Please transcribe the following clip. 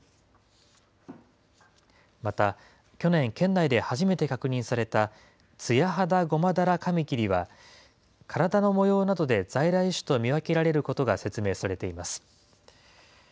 また去年、県内で初めて確認されたツヤハダゴマダラカミキリは、体の模様などで在来種と見分けられることが説明されています。